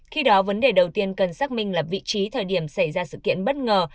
khi đó vấn đề đầu tiên cần xác minh là vị trí thời điểm xảy ra sự kiện bất ngờ